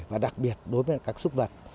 và đặc biệt đối với các súc vật